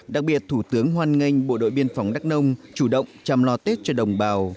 đặc biệt thủ tướng hoan nghênh bộ đội biên phòng đắc nông chủ động chăm lo tết cho đồng bào